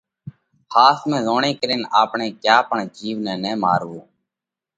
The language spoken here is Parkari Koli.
ۿاس ۾ زوڻي ڪرينَ آپڻئہ ڪيا پڻ جِيوَ نئہ نہ ماروَو